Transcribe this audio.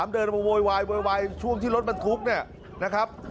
เดินไปโวยวายโวยวายช่วงที่รถมันทุกข์นะครับ